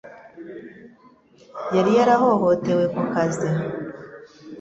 Yari yarahohotewe ku kazi